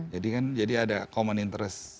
jadi kan jadi ada common interest